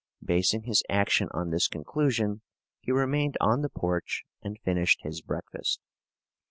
Basing his action on this conclusion, he remained on the porch and finished his breakfast.